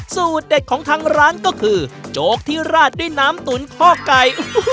สูตรเด็ดของทางร้านก็คือโจ๊กที่ราดด้วยน้ำตุ๋นข้อไก่